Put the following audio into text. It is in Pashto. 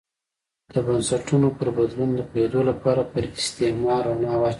د بنسټونو پر بدلون پوهېدو لپاره پر استعمار رڼا اچوو.